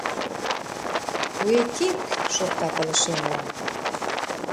Уэ-тик! — шокта пылышемлан.